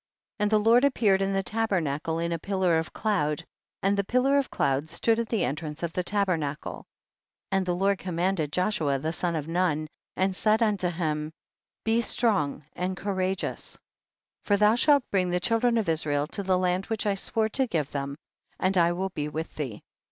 2. And the Lord appeared in the tabernacle in a pillar of cloud, and the pillar of cloud stood at the en trance of the tabernacle. 3. And the Lord commanded Joshua the son of Nun and said unto him, be strong and courageous for thou shalt bring the children of Israel ta the land which I swore to give them, and I will be with thee.